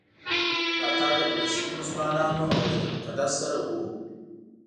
ملاتړ له فلسطیني مسلمانانو او بیت المقدس سره و.